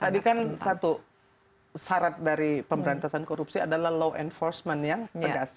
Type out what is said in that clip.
tadi kan satu syarat dari pemberantasan korupsi adalah law enforcement yang tegas